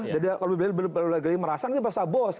jadi kalau beli beli merasa nanti merasa bos